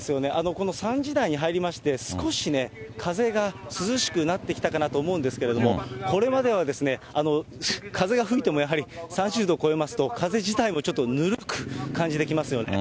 この３時台に入りまして、少しね、風が涼しくなってきたかなと思うんですけど、これまでは風が吹いてもやはり３０度を超えますと、風自体もちょっとぬるく感じてきますよね。